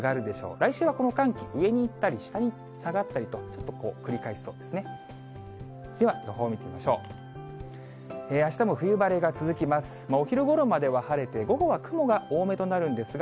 来週はこの寒気、上に行ったり下に下がったりと、繰り返しそうですね。